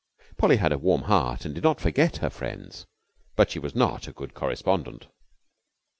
Polly had a warm heart and did not forget her friends, but she was not a good correspondent.